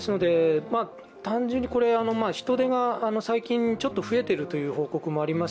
単純に人出が最近ちょっと増えているという報告もあります